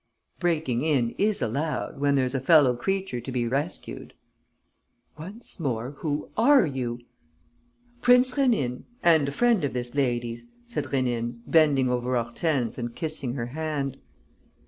"Breaking in is allowed, when there's a fellow creature to be rescued." "Once more, who are you?" "Prince Rénine ... and a friend of this lady's," said Rénine, bending over Hortense and kissing her hand.